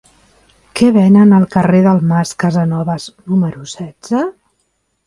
Què venen al carrer del Mas Casanovas número setze?